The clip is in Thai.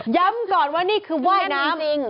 ย้ำก่อนว่านี่คือว่ายน้ำ